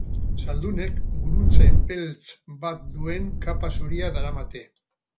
Zaldunek, gurutze beltz bat duen kapa zuria daramate.